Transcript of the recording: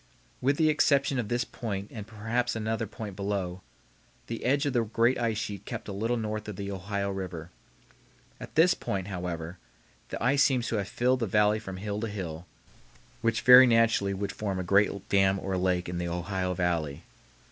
With the exception of this point and perhaps another point below, the edge of the great ice sheet kept a little north of the Ohio River. At this point, however, the ice seems to have filled the valley from hill to hill, which very naturally would form a great dam or lake in the Ohio Valley.